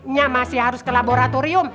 nya masih harus ke laboratorium